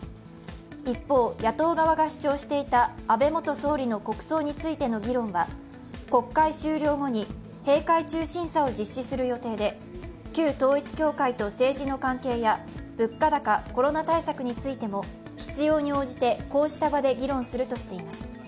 一方、野党側が主張していた安倍元総理の国葬についての議論は国会終了後に閉会中審査を実施する予定で旧統一教会と政治の関係や物価高、コロナ対策についても必要に応じてこうした場で議論するとしています。